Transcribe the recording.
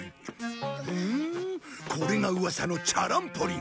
ふんこれがうわさのチャランポリンか。